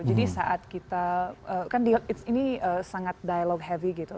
jadi saat kita kan ini sangat dialog heavy gitu